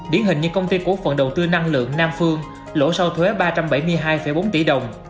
điển hình như công ty cổ phần đầu tư năng lượng nam phương lỗ sau thuế ba trăm bảy mươi hai bốn tỷ đồng